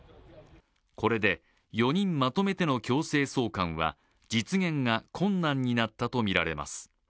これで、４人まとめての強制送還は、実現が困難になったとみられます。